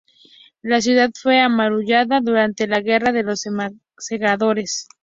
La ciudad fue amurallada durante la Guerra de los Segadores.